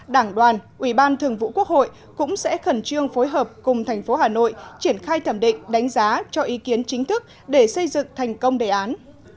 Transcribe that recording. đảng đoàn ủy ban thường vụ quốc hội cũng sẽ khẩn trương phối hợp cùng thành phố hà nội triển khai thẩm định đánh giá cho ý kiến chính thức để xây dựng thành công đề án